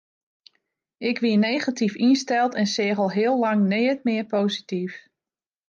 Ik wie negatyf ynsteld en seach al heel lang neat mear posityf.